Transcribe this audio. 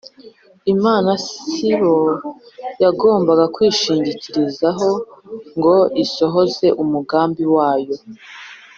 . Imana sibo yagombaga kwishingikirizaho ngo isohoze umugambi wayo.